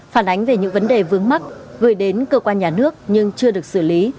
phản ánh về những vấn đề vướng mắt gửi đến cơ quan nhà nước nhưng chưa được xử lý